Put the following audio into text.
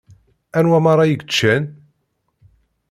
Anwa meṛṛa i yeččan?